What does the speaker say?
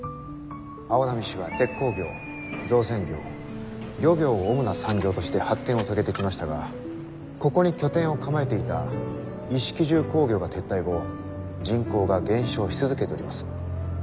青波市は鉄鋼業造船業漁業を主な産業として発展を遂げてきましたがここに拠点を構えていた一色重工業が撤退後人口が減少し続けております。